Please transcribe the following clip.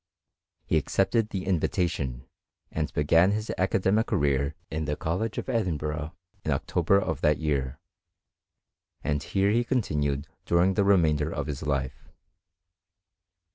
He accepted the invitation, and be gan his academical career in the College of Edinburgh in October of that year, and here he continued during the remainder of his life.